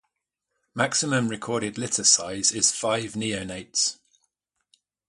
Maximum recorded litter size is five neonates.